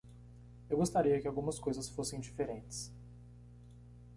Eu gostaria que algumas coisas fossem diferentes.